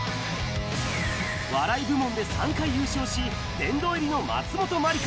笑い部門で３回優勝し、殿堂入りの松本まりか。